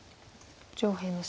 上辺の白。